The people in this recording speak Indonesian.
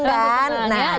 nah langsung seneng kan